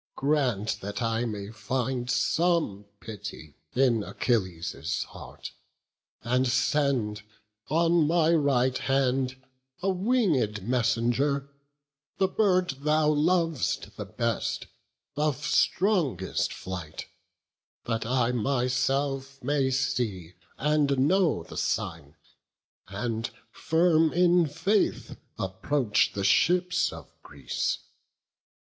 grant that I may find Some pity in Achilles' heart; and send, On my right hand, a winged messenger, The bird thou lov'st the best, of strongest flight, That I myself may see and know the sign, And, firm in faith, approach the ships of Greece."